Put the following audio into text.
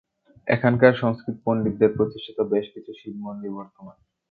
এখানকার সংস্কৃত পণ্ডিতদের প্রতিষ্ঠিত বেশকিছু শিবমন্দির বর্তমান।